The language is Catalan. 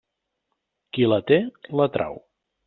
Qui la té, la trau.